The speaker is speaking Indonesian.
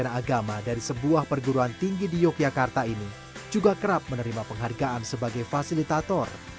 anak anak dari sebuah perguruan tinggi di yogyakarta ini juga kerap menerima penghargaan sebagai fasilitator